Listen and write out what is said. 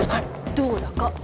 どうだか。